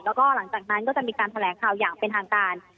แล้วก็หลังจากนั้นก็จะมีการแถลงข่าวอย่างเป็นทางการ